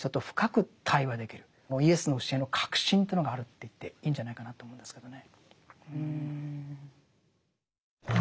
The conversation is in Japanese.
イエスの教えの核心というのがあると言っていいんじゃないかなと思うんですけどね。